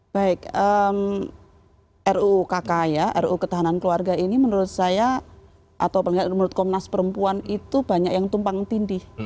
baik rukk ya ruu ketahanan keluarga ini menurut saya atau menurut komnas perempuan itu banyak yang tumpang tindih